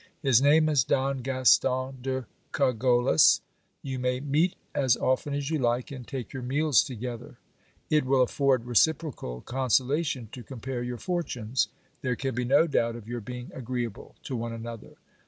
His name is Don Gaston de Cogollos. You may meet as often as you like, and take your meals together. It will afford reciprocal consolation to compare your fortunes. There can be no doubt of your being agreeable to one another.